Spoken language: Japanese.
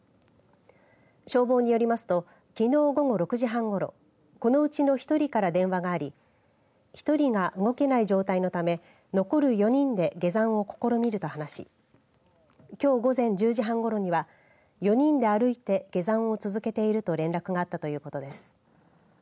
消防によりますときのう午後６時半ごろこのうちの１人から電話があり１人が動けない状態のため残る４人で下山を試みると話しきょう午前１０時半ごろには４人で歩いて下山を続けていると連絡があったということです。